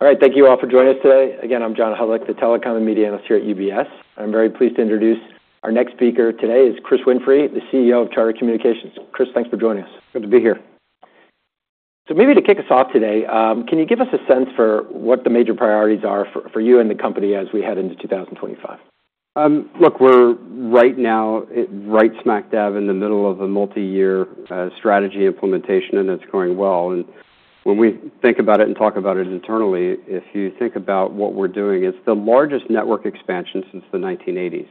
All right. Thank you all for joining us today. Again, I'm John Hodulik, the Telecom and Media Analyst here at UBS. I'm very pleased to introduce our next speaker today. It's Chris Winfrey, the CEO of Charter Communications. Chris, thanks for joining us. Good to be here. Maybe to kick us off today, can you give us a sense for what the major priorities are for you and the company as we head into 2025? Look, we're right now, right smack dab in the middle of a multi-year strategy implementation, and it's going well. And when we think about it and talk about it internally, if you think about what we're doing, it's the largest network expansion since the 1980s.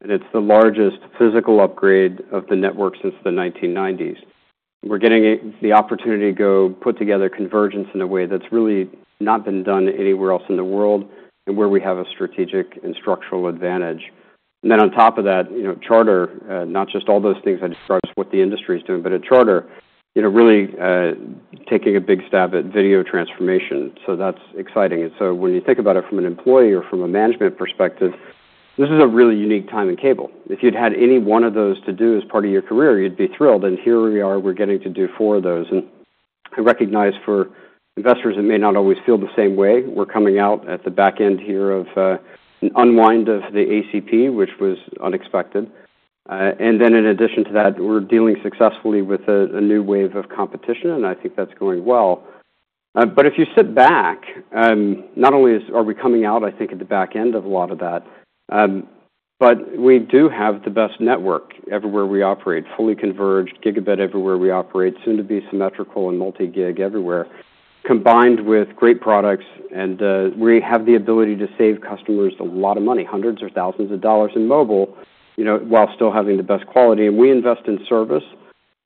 And it's the largest physical upgrade of the network since the 1990s. We're getting the opportunity to go put together convergence in a way that's really not been done anywhere else in the world and where we have a strategic and structural advantage. And then on top of that, Charter, not just all those things I described as what the industry is doing, but Charter really taking a big stab at video transformation. So that's exciting. And so when you think about it from an employee or from a management perspective, this is a really unique time in cable. If you'd had any one of those to do as part of your career, you'd be thrilled. And here we are, we're getting to do four of those. And I recognize for investors, it may not always feel the same way. We're coming out at the back end here of an unwind of the ACP, which was unexpected. And then in addition to that, we're dealing successfully with a new wave of competition, and I think that's going well. But if you sit back, not only are we coming out, I think, at the back end of a lot of that, but we do have the best network everywhere we operate, fully converged, gigabit everywhere we operate, soon to be symmetrical and multi-gig everywhere, combined with great products. And we have the ability to save customers a lot of money, hundreds or thousands of dollars in mobile while still having the best quality. And we invest in service,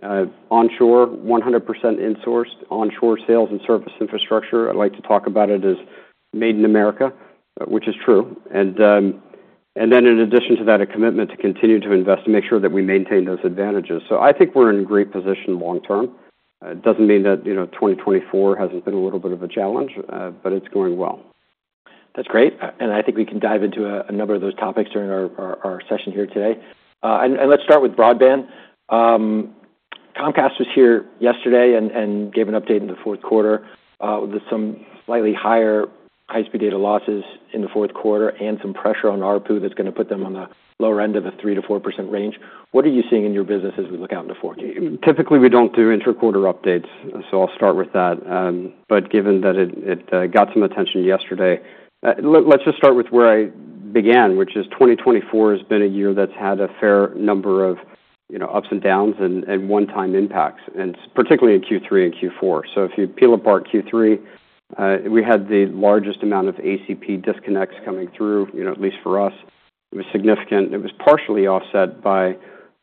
onshore, 100% insourced, onshore sales and service infrastructure. I like to talk about it as made in America, which is true. And then in addition to that, a commitment to continue to invest to make sure that we maintain those advantages. So I think we're in a great position long term. It doesn't mean that 2024 hasn't been a little bit of a challenge, but it's going well. That's great. And I think we can dive into a number of those topics during our session here today. And let's start with broadband. Comcast was here yesterday and gave an update in the fourth quarter with some slightly higher high-speed data losses in the fourth quarter and some pressure on ARPU that's going to put them on the lower end of the 3%-4% range. What are you seeing in your business as we look out into 2024? Typically, we don't do interquarter updates, so I'll start with that. But given that it got some attention yesterday, let's just start with where I began, which is 2024 has been a year that's had a fair number of ups and downs and one-time impacts, and particularly in Q3 and Q4. So if you peel apart Q3, we had the largest amount of ACP disconnects coming through, at least for us. It was significant. It was partially offset by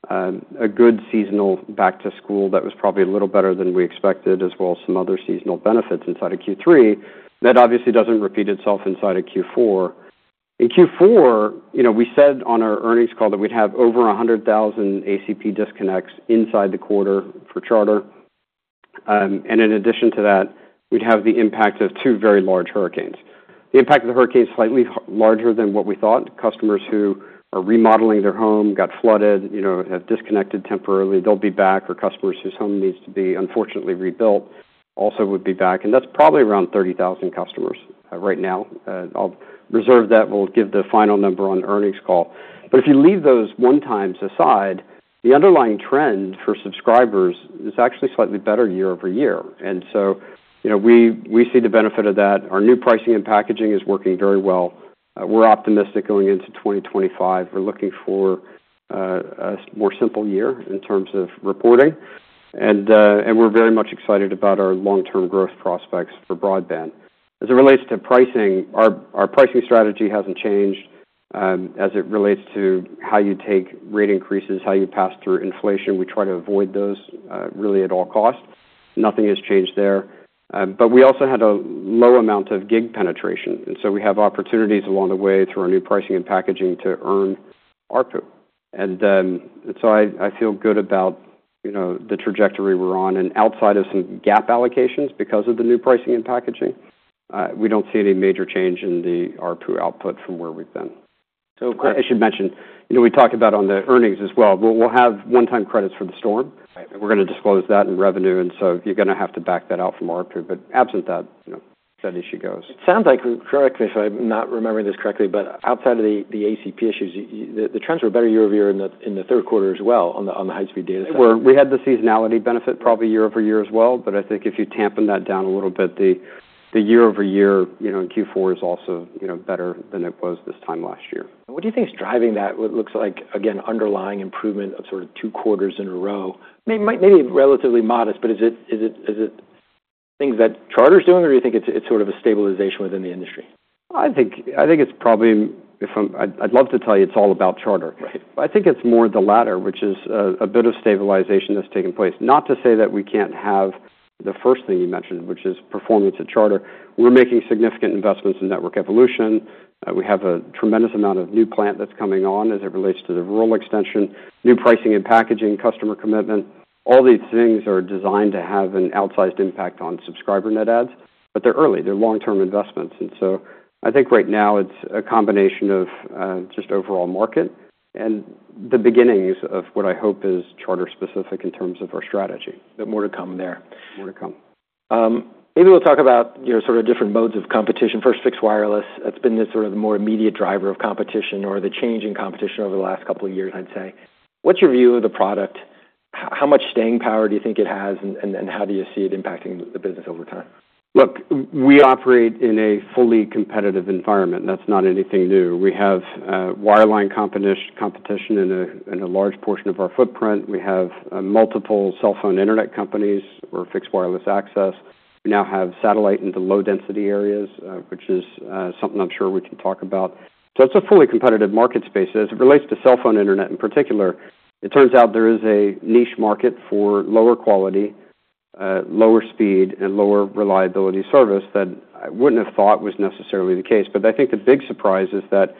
a good seasonal back-to-school that was probably a little better than we expected, as well as some other seasonal benefits inside of Q3. That obviously doesn't repeat itself inside of Q4. In Q4, we said on our earnings call that we'd have over 100,000 ACP disconnects inside the quarter for Charter. And in addition to that, we'd have the impact of two very large hurricanes. The impact of the hurricane is slightly larger than what we thought. Customers who are remodeling their home, got flooded, have disconnected temporarily, they'll be back, or customers whose home needs to be unfortunately rebuilt also would be back, and that's probably around 30,000 customers right now. I'll reserve that. We'll give the final number on the earnings call, but if you leave those one-times aside, the underlying trend for subscribers is actually slightly better year-over-year, and so we see the benefit of that. Our new pricing and packaging is working very well. We're optimistic going into 2025. We're looking for a more simple year in terms of reporting, and we're very much excited about our long-term growth prospects for broadband. As it relates to pricing, our pricing strategy hasn't changed as it relates to how you take rate increases, how you pass through inflation. We try to avoid those really at all costs. Nothing has changed there, but we also had a low amount of gig penetration, and so we have opportunities along the way through our new pricing and packaging to earn ARPU, and so I feel good about the trajectory we're on, and outside of some gap allocations because of the new pricing and packaging, we don't see any major change in the ARPU output from where we've been. I should mention, we talked about on the earnings as well. We'll have one-time credits for the storm. We're going to disclose that in revenue, and so you're going to have to back that out from ARPU, but absent that, that issue goes. It sounds like, correct me if I'm not remembering this correctly, but outside of the ACP issues, the trends were better year-over-year in the third quarter as well on the high-speed data side. We had the seasonality benefit probably year-over-year as well. But I think if you tamp down that down a little bit, the year-over-year in Q4 is also better than it was this time last year. What do you think is driving that? What looks like, again, underlying improvement of sort of two quarters in a row? Maybe relatively modest, but is it things that Charter's doing, or do you think it's sort of a stabilization within the industry? I think it's probably, if I'm—I'd love to tell you it's all about Charter. I think it's more the latter, which is a bit of stabilization that's taken place. Not to say that we can't have the first thing you mentioned, which is performance at Charter. We're making significant investments in network evolution. We have a tremendous amount of new plant that's coming on as it relates to the rural extension, new pricing and packaging, customer commitment. All these things are designed to have an outsized impact on subscriber net adds, but they're early. They're long-term investments. And so I think right now it's a combination of just overall market and the beginnings of what I hope is Charter-specific in terms of our strategy. More to come there. More to come. Maybe we'll talk about sort of different modes of competition. First, fixed wireless. That's been sort of the more immediate driver of competition or the change in competition over the last couple of years, I'd say. What's your view of the product? How much staying power do you think it has, and how do you see it impacting the business over time? Look, we operate in a fully competitive environment. That's not anything new. We have wireline competition in a large portion of our footprint. We have multiple cell phone internet companies or fixed wireless access. We now have satellite in the low-density areas, which is something I'm sure we can talk about. So it's a fully competitive market space. As it relates to cell phone internet in particular, it turns out there is a niche market for lower quality, lower speed, and lower reliability service that I wouldn't have thought was necessarily the case. But I think the big surprise is that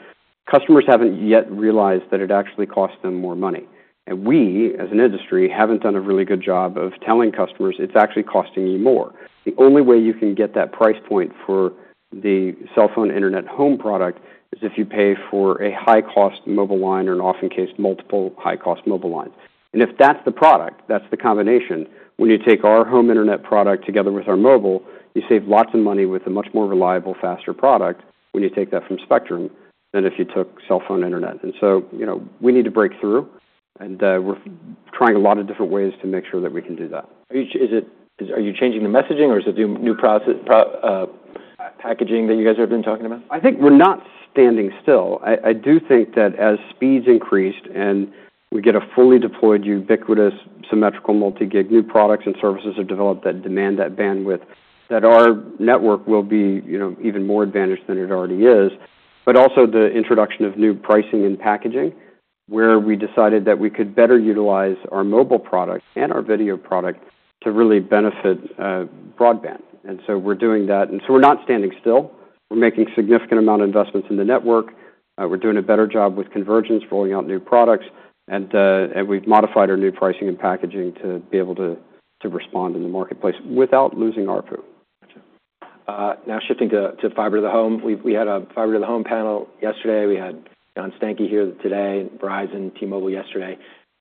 customers haven't yet realized that it actually costs them more money. And we, as an industry, haven't done a really good job of telling customers it's actually costing you more. The only way you can get that price point for the cell phone internet home product is if you pay for a high-cost mobile line or an off-in-case multiple high-cost mobile line, and if that's the product, that's the combination. When you take our home internet product together with our mobile, you save lots of money with a much more reliable, faster product when you take that from Spectrum than if you took cell phone internet, and so we need to break through, and we're trying a lot of different ways to make sure that we can do that. Are you changing the messaging, or is it new packaging that you guys have been talking about? I think we're not standing still. I do think that as speeds increased and we get a fully deployed, ubiquitous, symmetrical, multi-gig new products and services that develop that demand that bandwidth, that our network will be even more advantaged than it already is. But also the introduction of new pricing and packaging where we decided that we could better utilize our mobile product and our video product to really benefit broadband. And so we're doing that. And so we're not standing still. We're making a significant amount of investments in the network. We're doing a better job with convergence, rolling out new products. And we've modified our new pricing and packaging to be able to respond in the marketplace without losing ARPU. Gotcha. Now shifting to fiber to the home. We had a fiber to the home panel yesterday. We had John Stankey here today, Verizon, T-Mobile yesterday.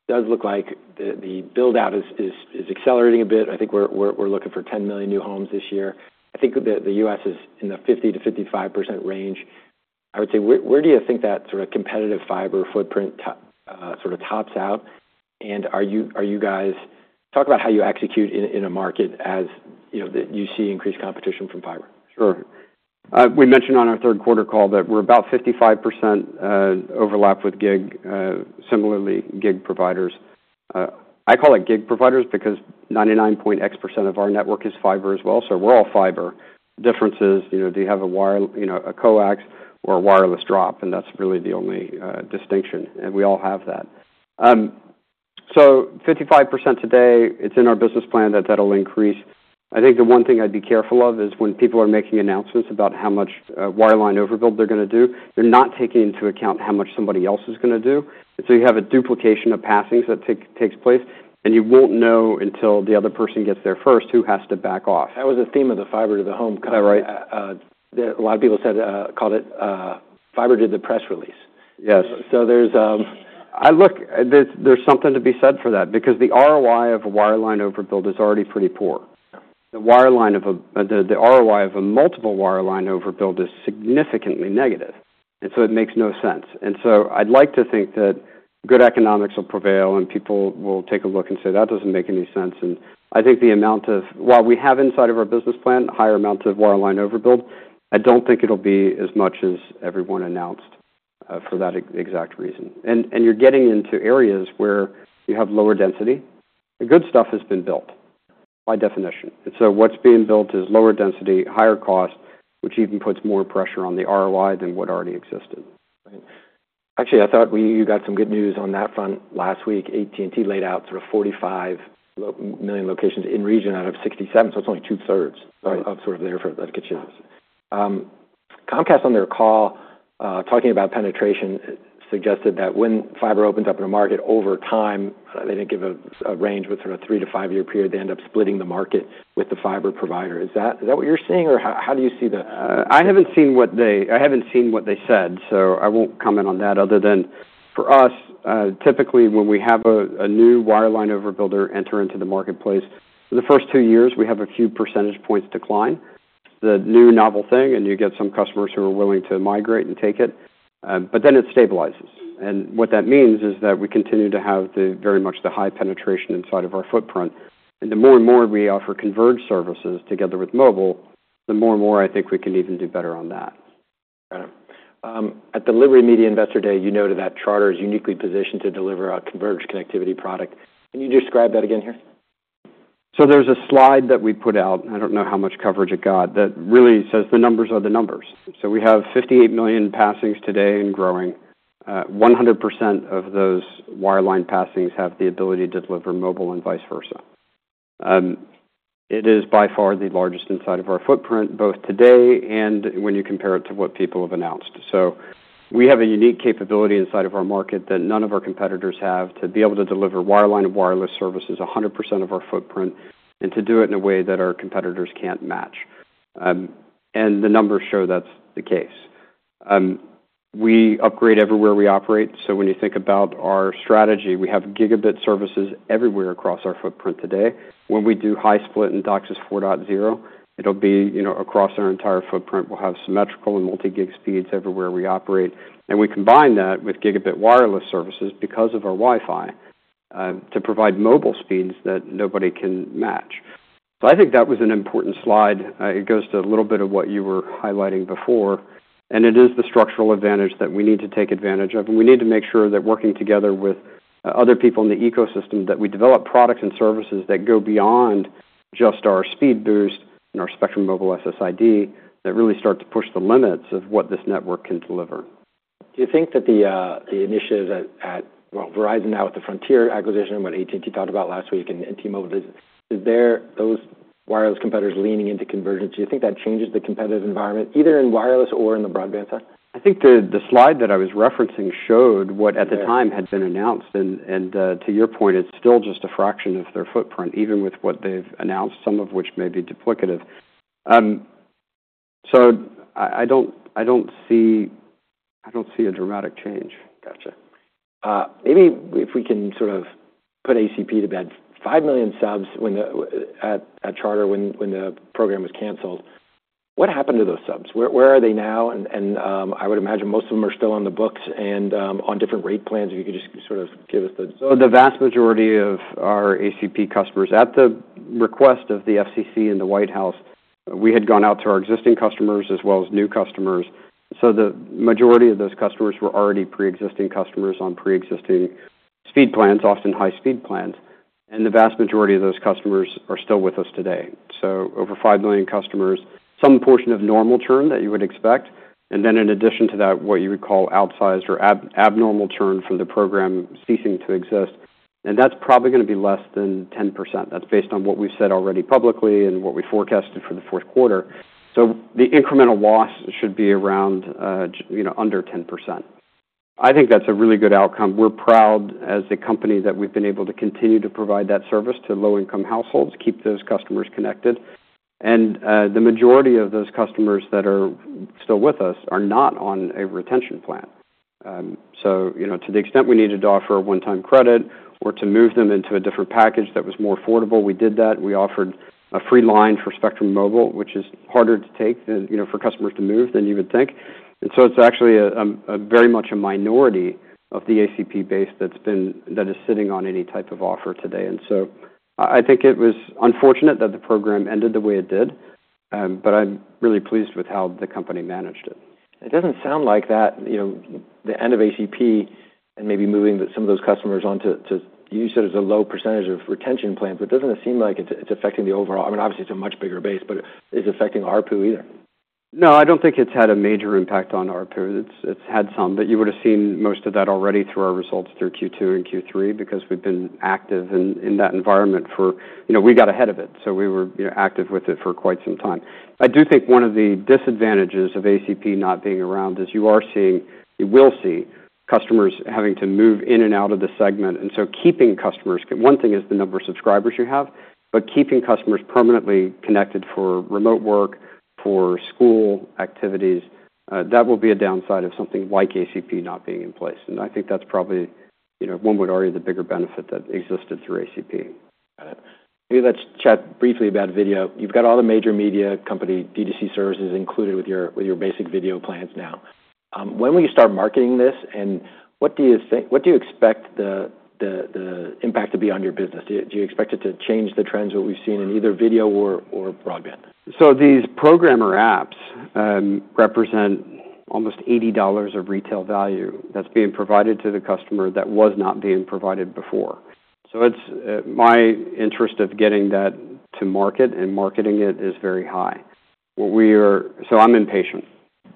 It does look like the build-out is accelerating a bit. I think we're looking for 10 million new homes this year. I think the U.S. is in the 50%-55% range. I would say, where do you think that sort of competitive fiber footprint sort of tops out? And are you guys talk about how you execute in a market as you see increased competition from fiber? Sure. We mentioned on our third quarter call that we're about 55% overlap with gig, similarly gig providers. I call it gig providers because 99.X% of our network is fiber as well. So we're all fiber. The difference is do you have a coax or a wireless drop? And that's really the only distinction. And we all have that. So 55% today, it's in our business plan that that'll increase. I think the one thing I'd be careful of is when people are making announcements about how much wireline overbuild they're going to do, they're not taking into account how much somebody else is going to do. And so you have a duplication of passings that takes place, and you won't know until the other person gets there first who has to back off. That was a theme of the fiber to the home. Right. A lot of people called it fiber to the press release. Yes. I look, there's something to be said for that because the ROI of a wireline overbuild is already pretty poor. The ROI of a multiple wireline overbuild is significantly negative, and so it makes no sense, and so I'd like to think that good economics will prevail and people will take a look and say, "That doesn't make any sense," and I think the amount of, while we have inside of our business plan, a higher amount of wireline overbuild, I don't think it'll be as much as everyone announced for that exact reason, and you're getting into areas where you have lower density. The good stuff has been built by definition, and so what's being built is lower density, higher cost, which even puts more pressure on the ROI than what already existed. Right. Actually, I thought you got some good news on that front. Last week, AT&T laid out sort of 45 million locations in region out of 67. So it's only two-thirds of sort of their footprint. That's good news. Comcast on their call talking about penetration suggested that when fiber opens up in a market over time, they didn't give a range with sort of three- to five-year period, they end up splitting the market with the fiber provider. Is that what you're seeing, or how do you see the? I haven't seen what they said, so I won't comment on that other than, for us, typically when we have a new wireline overbuilder enter into the marketplace, the first two years we have a few percentage points decline. It's the new novel thing, and you get some customers who are willing to migrate and take it, but then it stabilizes, and what that means is that we continue to have very much the high penetration inside of our footprint, and the more and more we offer converged services together with mobile, the more and more I think we can even do better on that. Got it. At the Liberty Media Investor Day, you noted that Charter is uniquely positioned to deliver a converged connectivity product. Can you describe that again here? So there's a slide that we put out, and I don't know how much coverage it got, that really says the numbers are the numbers. So we have 58 million passings today and growing. 100% of those wireline passings have the ability to deliver mobile and vice versa. It is by far the largest inside of our footprint, both today and when you compare it to what people have announced. So we have a unique capability inside of our market that none of our competitors have to be able to deliver wireline and wireless services 100% of our footprint and to do it in a way that our competitors can't match. And the numbers show that's the case. We upgrade everywhere we operate. So when you think about our strategy, we have gigabit services everywhere across our footprint today. When we do high split in DOCSIS 4.0, it'll be across our entire footprint. We'll have symmetrical and multi-gig speeds everywhere we operate, and we combine that with gigabit wireless services because of our Wi-Fi to provide mobile speeds that nobody can match, so I think that was an important slide. It goes to a little bit of what you were highlighting before, and it is the structural advantage that we need to take advantage of, and we need to make sure that working together with other people in the ecosystem that we develop products and services that go beyond just our speed boost and our Spectrum Mobile SSID that really start to push the limits of what this network can deliver. Do you think that the initiatives at, well, Verizon now with the Frontier acquisition, what AT&T talked about last week and T-Mobile, is there those wireless competitors leaning into convergence? Do you think that changes the competitive environment either in wireless or in the broadband side? I think the slide that I was referencing showed what at the time had been announced. And to your point, it's still just a fraction of their footprint, even with what they've announced, some of which may be duplicative. So I don't see a dramatic change. Gotcha. Maybe if we can sort of put ACP to bed, 5 million subs at Charter when the program was canceled. What happened to those subs? Where are they now? And I would imagine most of them are still on the books and on different rate plans. If you could just sort of give us the. So, the vast majority of our ACP customers, at the request of the FCC and the White House, we had gone out to our existing customers as well as new customers. So, the majority of those customers were already pre-existing customers on pre-existing speed plans, often high-speed plans. And the vast majority of those customers are still with us today. So, over 5 million customers, some portion of normal churn that you would expect. And then, in addition to that, what you would call outsized or abnormal churn from the program ceasing to exist. And that's probably going to be less than 10%. That's based on what we've said already publicly and what we forecasted for the fourth quarter. So, the incremental loss should be around under 10%. I think that's a really good outcome. We're proud as a company that we've been able to continue to provide that service to low-income households, keep those customers connected, and the majority of those customers that are still with us are not on a retention plan, so to the extent we needed to offer a one-time credit or to move them into a different package that was more affordable, we did that. We offered a free line for Spectrum Mobile, which is harder to take for customers to move than you would think, and so it's actually very much a minority of the ACP base that is sitting on any type of offer today, and so I think it was unfortunate that the program ended the way it did, but I'm really pleased with how the company managed it. It doesn't sound like the end of ACP and maybe moving some of those customers onto, you said it's a low percentage of retention plans, but doesn't it seem like it's affecting the overall? I mean, obviously, it's a much bigger base, but is it affecting ARPU either? No, I don't think it's had a major impact on ARPU. It's had some, but you would have seen most of that already through our results through Q2 and Q3 because we've been active in that environment for we got ahead of it. So we were active with it for quite some time. I do think one of the disadvantages of ACP not being around is you are seeing, you will see customers having to move in and out of the segment. And so keeping customers, one thing is the number of subscribers you have, but keeping customers permanently connected for remote work, for school activities, that will be a downside of something like ACP not being in place. And I think that's probably one would argue the bigger benefit that existed through ACP. Got it. Maybe let's chat briefly about video. You've got all the major media company, DTC services included with your basic video plans now. When will you start marketing this? And what do you expect the impact to be on your business? Do you expect it to change the trends that we've seen in either video or broadband? These programmer apps represent almost $80 of retail value that's being provided to the customer that was not being provided before. It's my interest of getting that to market and marketing it is very high. I'm impatient.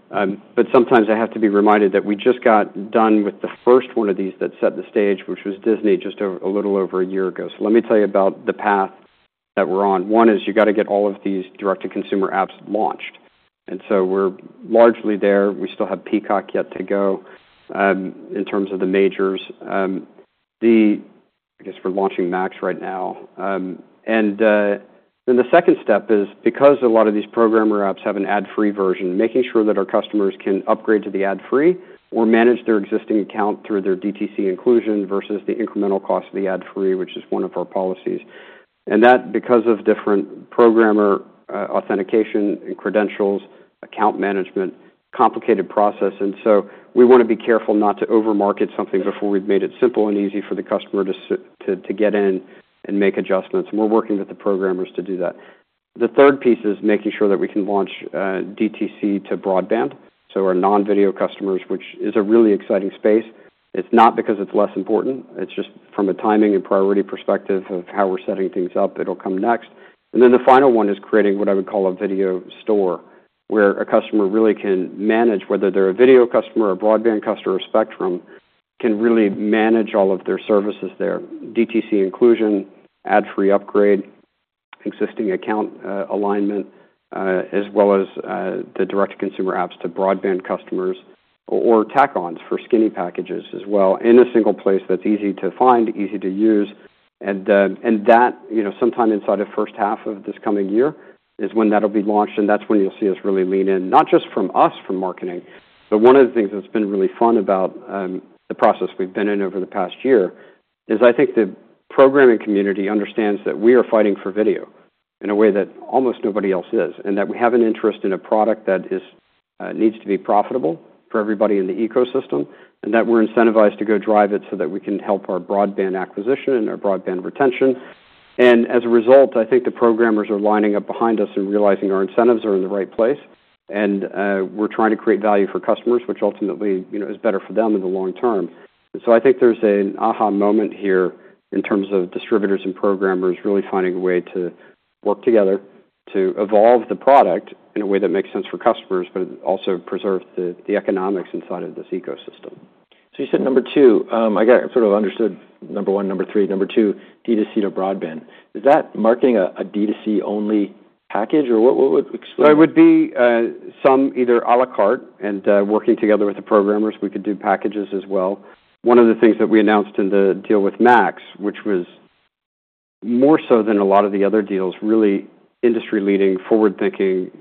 But sometimes I have to be reminded that we just got done with the first one of these that set the stage, which was Disney just a little over a year ago. Let me tell you about the path that we're on. One is you got to get all of these direct-to-consumer apps launched. We're largely there. We still have Peacock yet to go in terms of the majors. I guess we're launching Max right now. And then the second step is, because a lot of these programmer apps have an ad-free version, making sure that our customers can upgrade to the ad-free or manage their existing account through their DTC inclusion versus the incremental cost of the ad-free, which is one of our policies. And that, because of different programmer authentication and credentials, account management [is a] complicated process. And so we want to be careful not to overmarket something before we've made it simple and easy for the customer to get in and make adjustments. And we're working with the programmers to do that. The third piece is making sure that we can launch DTC to broadband. So our non-video customers, which is a really exciting space; it's not because it's less important. It's just from a timing and priority perspective of how we're setting things up; it'll come next. And then the final one is creating what I would call a video store where a customer really can manage whether they're a video customer, a broadband customer, or Spectrum, can really manage all of their services there: DTC inclusion, ad-free upgrade, existing account alignment, as well as the direct-to-consumer apps to broadband customers or tack-ons for skinny packages as well in a single place that's easy to find, easy to use. And that, sometime inside the first half of this coming year, is when that'll be launched. And that's when you'll see us really lean in, not just from us, from marketing. But one of the things that's been really fun about the process we've been in over the past year is I think the programming community understands that we are fighting for video in a way that almost nobody else is and that we have an interest in a product that needs to be profitable for everybody in the ecosystem and that we're incentivized to go drive it so that we can help our broadband acquisition and our broadband retention. And as a result, I think the programmers are lining up behind us and realizing our incentives are in the right place. And we're trying to create value for customers, which ultimately is better for them in the long term. I think there's an aha moment here in terms of distributors and programmers really finding a way to work together to evolve the product in a way that makes sense for customers, but also preserve the economics inside of this ecosystem. So you said number two. I sort of understood number one, number three. Number two, DTC to broadband. Is that marketing a DTC-only package or what would explain? So it would be some either à la carte and working together with the programmers. We could do packages as well. One of the things that we announced in the deal with Max, which was more so than a lot of the other deals, really industry-leading, forward-thinking.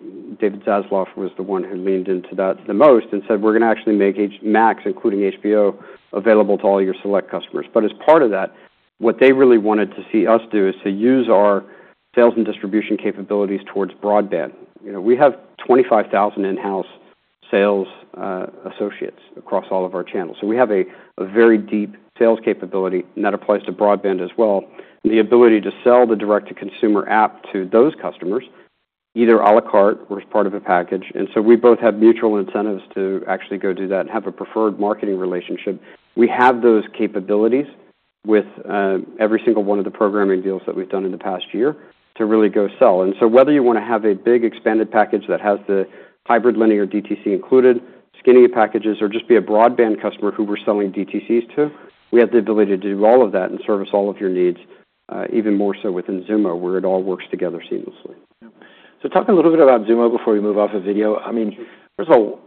David Zaslav was the one who leaned into that the most and said, "We're going to actually make Max, including HBO, available to all your select customers." But as part of that, what they really wanted to see us do is to use our sales and distribution capabilities towards broadband. We have 25,000 in-house sales associates across all of our channels. So we have a very deep sales capability and that applies to broadband as well. The ability to sell the direct-to-consumer app to those customers, either à la carte or as part of a package. And so we both have mutual incentives to actually go do that and have a preferred marketing relationship. We have those capabilities with every single one of the programming deals that we've done in the past year to really go sell. And so whether you want to have a big expanded package that has the hybrid linear DTC included, skinny packages, or just be a broadband customer who we're selling DTCs to, we have the ability to do all of that and service all of your needs, even more so within Xumo where it all works together seamlessly. So talk a little bit about Xumo before we move off of video. I mean, first of all,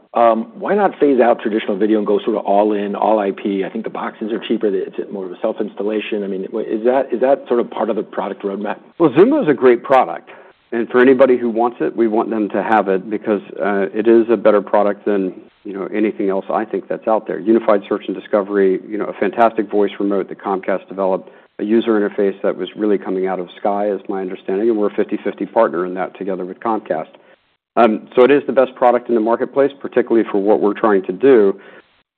why not phase out traditional video and go sort of all-in, all-IP? I think the boxes are cheaper. It's more of a self-installation. I mean, is that sort of part of the product roadmap? Xumo is a great product. For anybody who wants it, we want them to have it because it is a better product than anything else I think that's out there. Unified Search and Discovery, a fantastic voice remote that Comcast developed, a user interface that was really coming out of Sky is my understanding. We're a 50/50 partner in that together with Comcast. It is the best product in the marketplace, particularly for what we're trying to do.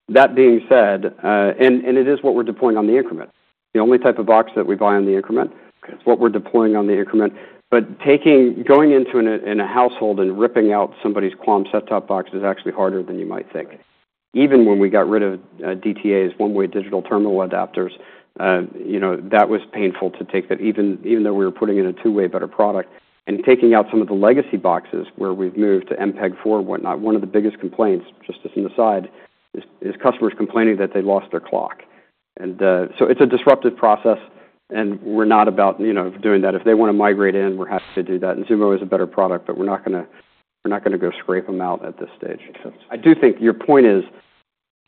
That being said, it is what we're deploying on the increment. The only type of box that we buy on the increment is what we're deploying on the increment. Going into a household and ripping out somebody's QAM set-top box is actually harder than you might think. Even when we got rid of DTAs, one-way digital terminal adapters, that was painful to take that even though we were putting in a two-way better product, and taking out some of the legacy boxes where we've moved to MPEG-4 and whatnot, one of the biggest complaints, just as an aside, is customers complaining that they lost their clock, so it's a disruptive process, and we're not about doing that. If they want to migrate in, we're happy to do that, and Xumo is a better product, but we're not going to go scrape them out at this stage. I do think your point is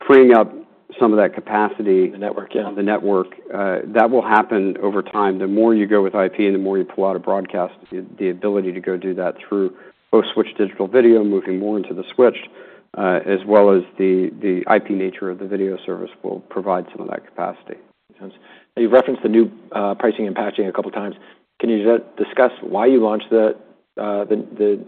freeing up some of that capacity. The network, yeah. The network. That will happen over time. The more you go with IP and the more you pull out of broadcast, the ability to go do that through both switched digital video, moving more into the switched, as well as the IP nature of the video service will provide some of that capacity. You've referenced the new pricing and packaging a couple of times. Can you discuss why you launched the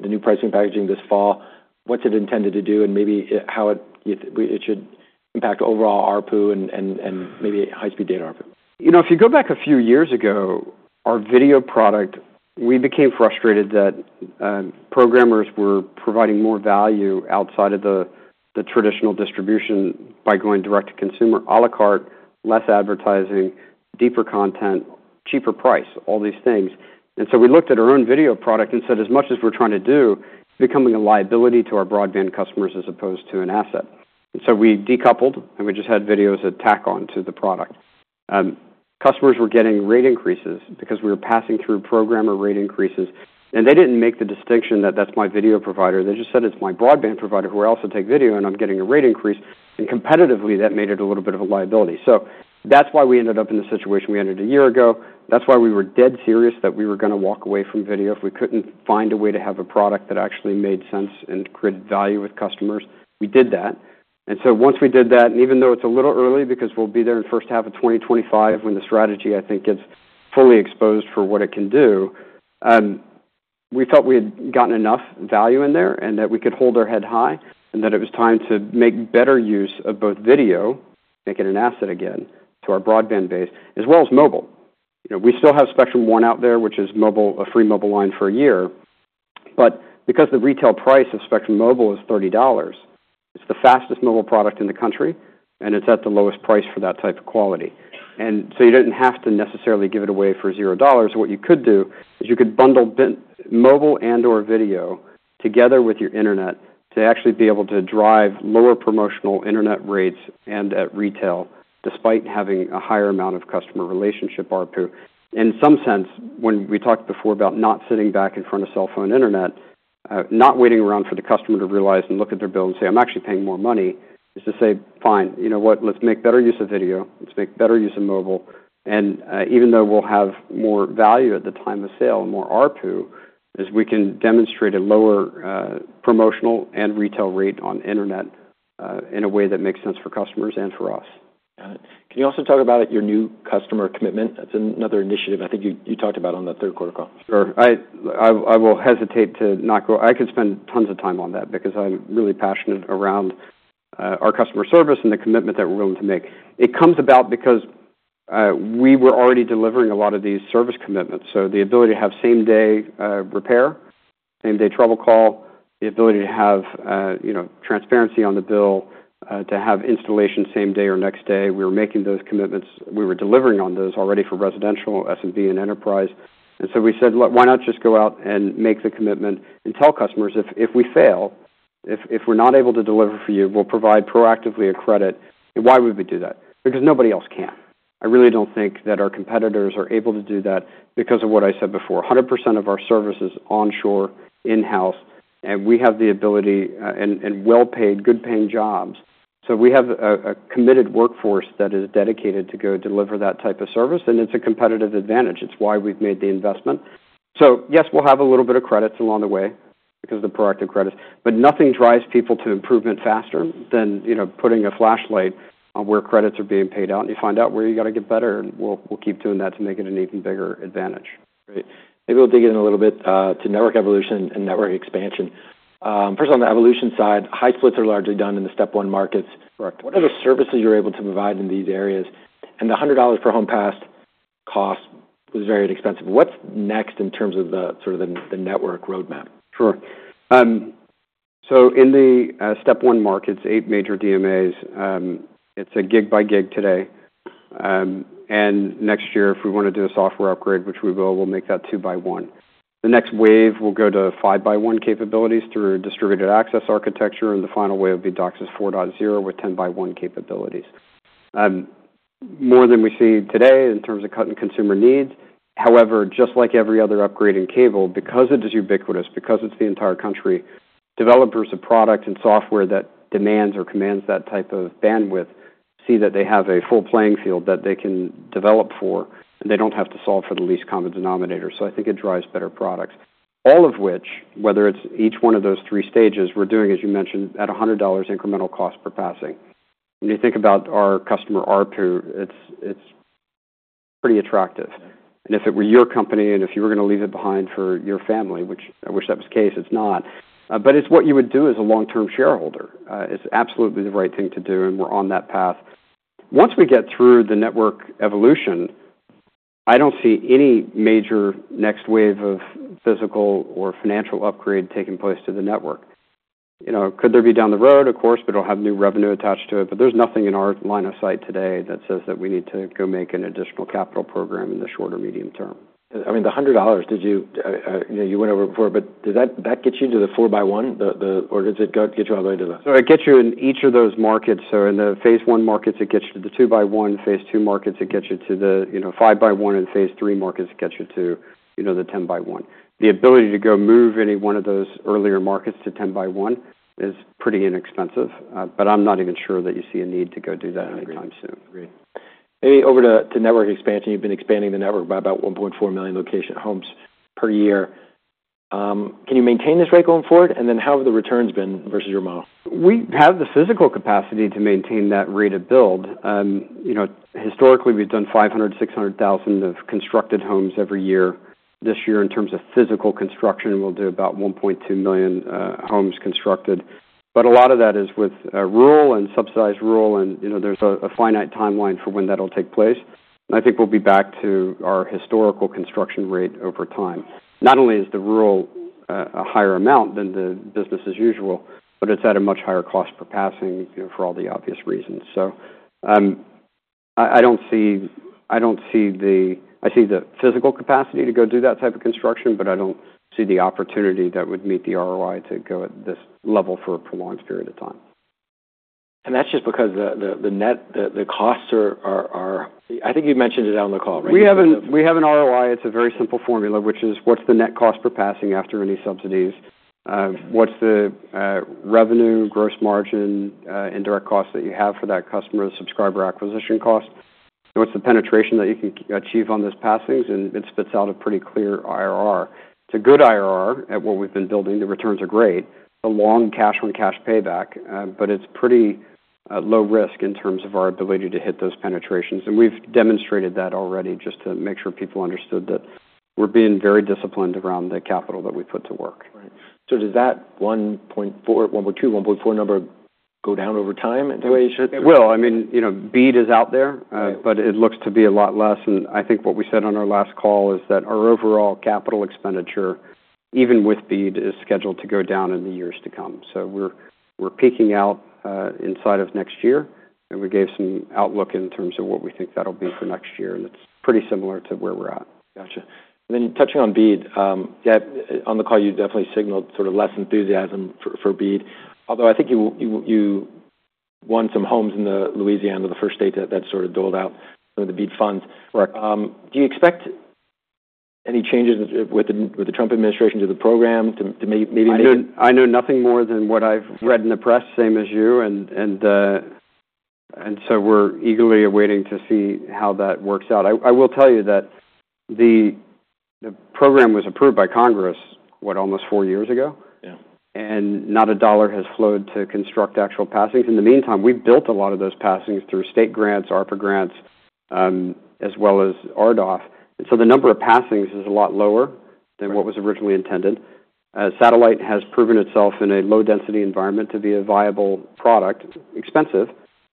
new pricing and packaging this fall? What's it intended to do and maybe how it should impact overall ARPU and maybe high-speed data ARPU? You know, if you go back a few years ago, our video product, we became frustrated that programmers were providing more value outside of the traditional distribution by going direct-to-consumer, à la carte, less advertising, deeper content, cheaper price, all these things. And so we looked at our own video product and said, "As much as we're trying to do, it's becoming a liability to our broadband customers as opposed to an asset." And so we decoupled and we just had video as an add-on to the product. Customers were getting rate increases because we were passing through programmer rate increases. And they didn't make the distinction that that's my video provider. They just said, "It's my broadband provider who I also take video, and I'm getting a rate increase." And competitively, that made it a little bit of a liability. So that's why we ended up in the situation we ended a year ago. That's why we were dead serious that we were going to walk away from video if we couldn't find a way to have a product that actually made sense and created value with customers. We did that. And so once we did that, and even though it's a little early because we'll be there in the first half of 2025 when the strategy, I think, gets fully exposed for what it can do, we felt we had gotten enough value in there and that we could hold our head high and that it was time to make better use of both video, making an asset again to our broadband base, as well as mobile. We still have Spectrum One out there, which is a free mobile line for a year. But because the retail price of Spectrum Mobile is $30, it's the fastest mobile product in the country, and it's at the lowest price for that type of quality. And so you didn't have to necessarily give it away for $0. What you could do is you could bundle mobile and/or video together with your internet to actually be able to drive lower promotional internet rates and at retail despite having a higher amount of customer relationship ARPU. In some sense, when we talked before about not sitting back in front of cell phone internet, not waiting around for the customer to realize and look at their bill and say, "I'm actually paying more money," is to say, "Fine, you know what? Let's make better use of video. Let's make better use of mobile, and even though we'll have more value at the time of sale and more ARPU, we can demonstrate a lower promotional and retail rate on internet in a way that makes sense for customers and for us. Got it. Can you also talk about your new customer commitment? That's another initiative I think you talked about on the third quarter call. Sure. I hate to not go. I could spend tons of time on that because I'm really passionate around our customer service and the commitment that we're willing to make. It comes about because we were already delivering a lot of these service commitments. So the ability to have same-day repair, same-day trouble call, the ability to have transparency on the bill, to have installation same day or next day. We were making those commitments. We were delivering on those already for residential, SMB, and enterprise. And so we said, "Why not just go out and make the commitment and tell customers if we fail, if we're not able to deliver for you, we'll provide proactively a credit." And why would we do that? Because nobody else can. I really don't think that our competitors are able to do that because of what I said before. 100% of our service is onshore, in-house, and we have the ability and well-paid, good-paying jobs, so we have a committed workforce that is dedicated to go deliver that type of service, and it's a competitive advantage. It's why we've made the investment, so yes, we'll have a little bit of credits along the way because of the proactive credits, but nothing drives people to improvement faster than putting a flashlight on where credits are being paid out, and you find out where you got to get better, and we'll keep doing that to make it an even bigger advantage. Great. Maybe we'll dig in a little bit to network evolution and network expansion. First, on the evolution side, High Split is largely done in the step one markets. What are the services you're able to provide in these areas? And the $100 per homes passed cost was very inexpensive. What's next in terms of the sort of the network roadmap? Sure. So in the step one markets, eight major DMAs, it's a gig-by-gig today. And next year, if we want to do a software upgrade, which we will, we'll make that two-by-one. The next wave will go to five-by-one capabilities through distributed access architecture. And the final wave will be DOCSIS 4.0 with 10-by-one capabilities. More than we see today in terms of cutting consumer needs. However, just like every other upgrading cable, because it is ubiquitous, because it's the entire country, developers of product and software that demands or commands that type of bandwidth see that they have a full playing field that they can develop for, and they don't have to solve for the least common denominator. So I think it drives better products. All of which, whether it's each one of those three stages, we're doing, as you mentioned, at $100 incremental cost per passing. When you think about our customer ARPU, it's pretty attractive. And if it were your company and if you were going to leave it behind for your family, which I wish that was the case, it's not. But it's what you would do as a long-term shareholder. It's absolutely the right thing to do, and we're on that path. Once we get through the network evolution, I don't see any major next wave of physical or financial upgrade taking place to the network. Could there be down the road? Of course, but it'll have new revenue attached to it. But there's nothing in our line of sight today that says that we need to go make an additional capital program in the short or medium term. I mean, the $100, you went over before, but does that get you to the four-by-one, or does it get you all the way to the? So it gets you in each of those markets. So in the phase one markets, it gets you to the two-by-one. Phase II markets, it gets you to the five-by-one. And phase three markets, it gets you to the ten-by-one. The ability to go move any one of those earlier markets to ten-by-one is pretty inexpensive. But I'm not even sure that you see a need to go do that anytime soon. Agreed. Maybe over to network expansion. You've been expanding the network by about 1.4 million location homes per year. Can you maintain this rate going forward? And then how have the returns been versus your model? We have the physical capacity to maintain that rate of build. Historically, we've done 500,000, 600,000 of constructed homes every year. This year, in terms of physical construction, we'll do about 1.2 million homes constructed. But a lot of that is with rural and subsidized rural. And there's a finite timeline for when that'll take place. And I think we'll be back to our historical construction rate over time. Not only is the rural a higher amount than the business as usual, but it's at a much higher cost per passing for all the obvious reasons. So I don't see the physical capacity to go do that type of construction, but I don't see the opportunity that would meet the ROI to go at this level for a prolonged period of time. And that's just because the costs are, I think you mentioned it on the call, right? We have an ROI. It's a very simple formula, which is what's the net cost per passing after any subsidies? What's the revenue, gross margin, indirect costs that you have for that customer's subscriber acquisition cost? What's the penetration that you can achieve on those passings? And it spits out a pretty clear IRR. It's a good IRR at what we've been building. The returns are great. It's a long cash-on-cash payback, but it's pretty low risk in terms of our ability to hit those penetrations. And we've demonstrated that already just to make sure people understood that we're being very disciplined around the capital that we put to work. Right. So does that 1.2, 1.4 number go down over time in some ways? It will. I mean, BEAD is out there, but it looks to be a lot less. And I think what we said on our last call is that our overall capital expenditure, even with BEAD, is scheduled to go down in the years to come. So we're peaking out inside of next year. And we gave some outlook in terms of what we think that'll be for next year. And it's pretty similar to where we're at. Gotcha. And then touching on BEAD, on the call, you definitely signaled sort of less enthusiasm for BEAD. Although I think you won some homes in Louisiana the first day that sort of doled out some of the BEAD funds. Do you expect any changes with the Trump administration to the program to maybe make? I know nothing more than what I've read in the press, same as you, and so we're eagerly awaiting to see how that works out. I will tell you that the program was approved by Congress, what, almost four years ago, and not a dollar has flowed to construct actual passings. In the meantime, we've built a lot of those passings through state grants, ARPA grants, as well as RDOF, and so the number of passings is a lot lower than what was originally intended. Satellite has proven itself in a low-density environment to be a viable product. Expensive,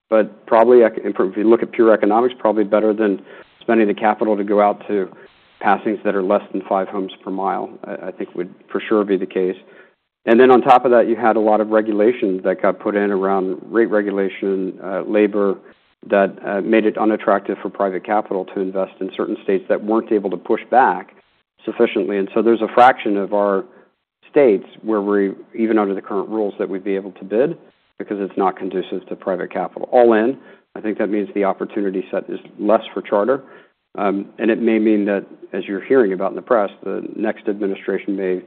but probably, if you look at pure economics, probably better than spending the capital to go out to passings that are less than five homes per mile. I think would for sure be the case. And then on top of that, you had a lot of regulation that got put in around rate regulation, labor that made it unattractive for private capital to invest in certain states that weren't able to push back sufficiently. And so there's a fraction of our states where we're even under the current rules that we'd be able to bid because it's not conducive to private capital. All in, I think that means the opportunity set is less for Charter. And it may mean that, as you're hearing about in the press, the next administration may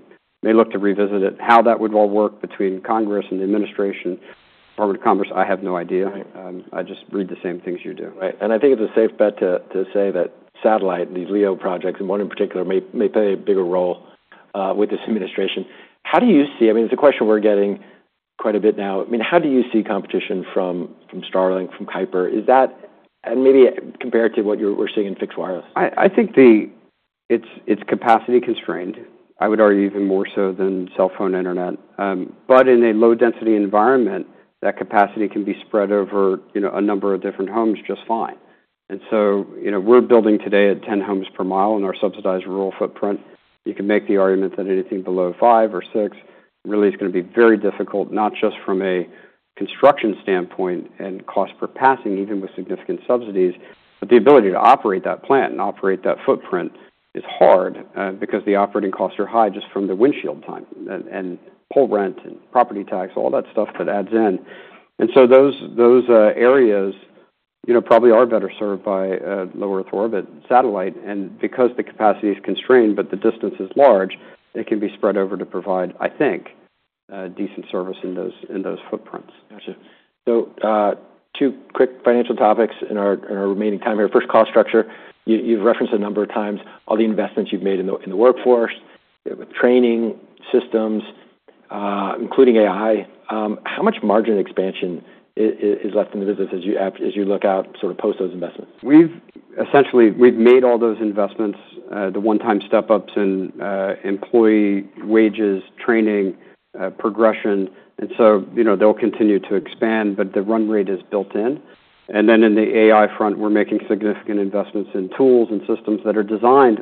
look to revisit it. How that would all work between Congress and the administration, Department of Commerce, I have no idea. I just read the same things you do. Right, and I think it's a safe bet to say that satellite, the LEO projects, and one in particular may play a bigger role with this administration. How do you see? I mean, it's a question we're getting quite a bit now. I mean, how do you see competition from Starlink, from Kuiper? And maybe compare it to what we're seeing in fixed wireless. I think it's capacity constrained. I would argue even more so than cell phone internet. But in a low-density environment, that capacity can be spread over a number of different homes just fine. And so we're building today at 10 homes per mile in our subsidized rural footprint. You can make the argument that anything below five or six really is going to be very difficult, not just from a construction standpoint and cost per passing, even with significant subsidies, but the ability to operate that plant and operate that footprint is hard because the operating costs are high just from the windshield time and pole rent and property tax, all that stuff that adds in. And so those areas probably are better served by low-Earth orbit satellite. Because the capacity is constrained, but the distance is large, it can be spread over to provide, I think, decent service in those footprints. Gotcha. So two quick financial topics in our remaining time here. First, cost structure. You've referenced a number of times all the investments you've made in the workforce, with training systems, including AI. How much margin expansion is left in the business as you look out sort of post those investments? Essentially, we've made all those investments, the one-time step-ups in employee wages, training, progression, and so they'll continue to expand, but the run rate is built in, and then in the AI front, we're making significant investments in tools and systems that are designed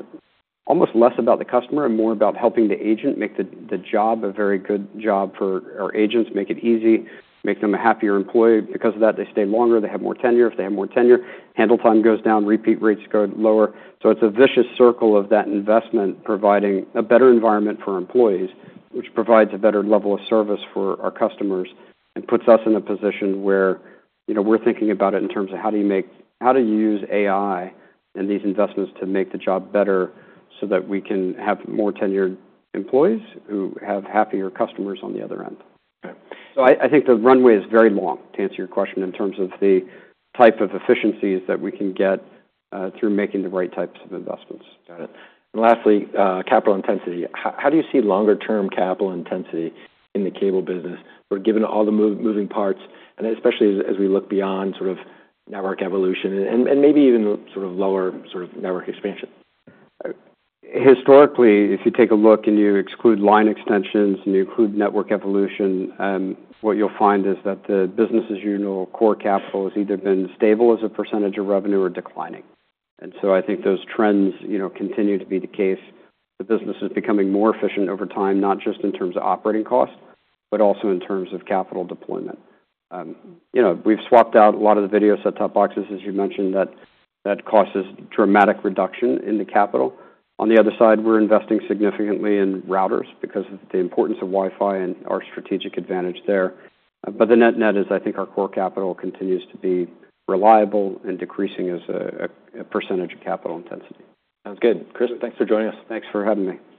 almost less about the customer and more about helping the agent make the job a very good job for our agents, make it easy, make them a happier employee. Because of that, they stay longer. They have more tenure. If they have more tenure, handle time goes down, repeat rates go lower. It's a vicious circle of that investment providing a better environment for employees, which provides a better level of service for our customers and puts us in a position where we're thinking about it in terms of how do you use AI and these investments to make the job better so that we can have more tenured employees who have happier customers on the other end. I think the runway is very long, to answer your question, in terms of the type of efficiencies that we can get through making the right types of investments. Got it. And lastly, capital intensity. How do you see longer-term capital intensity in the cable business, given all the moving parts, and especially as we look beyond sort of network evolution and maybe even sort of lower sort of network expansion? Historically, if you take a look and you exclude line extensions and you include network evolution, what you'll find is that the business as you know, core capital has either been stable as a percentage of revenue or declining. And so I think those trends continue to be the case. The business is becoming more efficient over time, not just in terms of operating costs, but also in terms of capital deployment. We've swapped out a lot of the video set-top boxes, as you mentioned, that causes dramatic reduction in the capital. On the other side, we're investing significantly in routers because of the importance of Wi-Fi and our strategic advantage there. But the net-net is, I think, our core capital continues to be reliable and decreasing as a percentage of capital intensity. Sounds good. Chris, thanks for joining us. Thanks for having me.